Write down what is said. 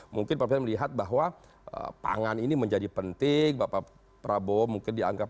mungkin pak presiden melihat bahwa pangan ini menjadi penting bapak prabowo mungkin dianggap